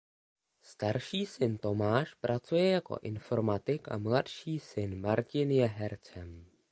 Starší syn Tomáš pracuje jako informatik a mladší syn Martin je hercem.